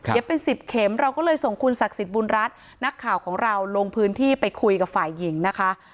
เป็น๑๐เข็มเราก็เลยส่งคุณศักดิ์สิทธิ์บุญรัฐนักข่าวของเราลงพื้นที่ไปคุยกับฝ่ายหญิงนะคะ